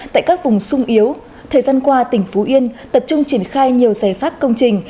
tại các vùng sung yếu thời gian qua tỉnh phú yên tập trung triển khai nhiều giải pháp công trình